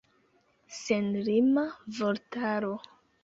Senlima vortaro.